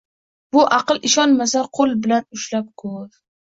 Bu aql ishonmasa, qo‘l bilan ushlab ko‘r!